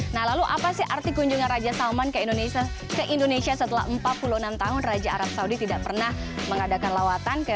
nah lalu apa sih arti kunjungan raja salman ke indonesia setelah empat puluh enam tahun raja arab saudi tidak pernah mengadakan lawatan